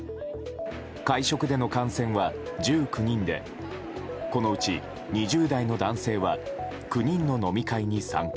会食での感染は１９人でこのうち、２０代の男性は９人の飲み会に参加。